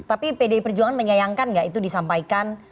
tapi pdi perjuangan menyayangkan nggak itu disampaikan